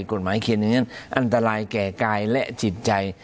กฎหมายเขียนอย่างนั้นอันตรายแก่กายและจิตใจ